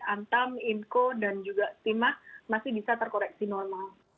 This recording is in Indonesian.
antam inco dan juga timah masih bisa terkoreksi normal